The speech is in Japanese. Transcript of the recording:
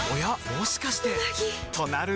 もしかしてうなぎ！